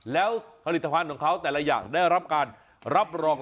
แล้วผลิตภัณฑ์ของเขาแต่ละอย่างได้รับการรับรอง